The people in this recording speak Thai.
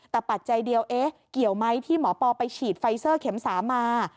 แต่ปัจจัยเดียวเอ๊ะเกี่ยวไหมที่หมอปอไปฉีดไฟเซอร์เข็ม๓มา